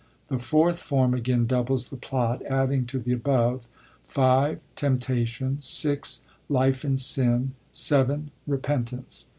The fourth form again doubles the plot, add ing to the above : 5. Temptation ; 6. lif e in Sin ; 7. Repentance.